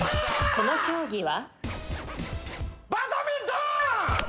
この競技は？